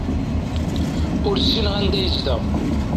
Ur ssineɣ anda yezdeɣ.